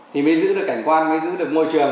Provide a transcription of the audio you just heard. thì mới giữ được cảnh quan mới giữ được môi trường